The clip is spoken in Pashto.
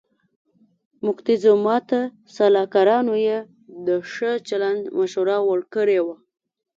موکتیزوما ته سلاکارانو یې د ښه چلند مشوره ورکړې وه.